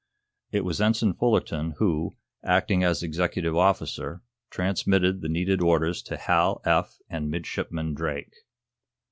It was Ensign Fullerton, who, acting as executive officer, transmitted the needed orders to Hal, Eph and Midshipman Drake.